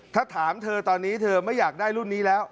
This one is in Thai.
ถ้าถามเธอตอนนี้เธอไม่อยากได้รุ่นนี้แล้ว